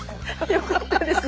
よかったです